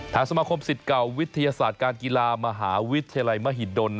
สมาคมสิทธิ์เก่าวิทยาศาสตร์การกีฬามหาวิทยาลัยมหิดล